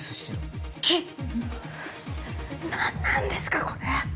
何なんですかこれ。